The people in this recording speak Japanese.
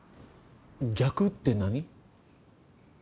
逆って何？